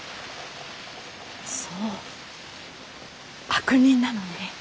そう悪人なのね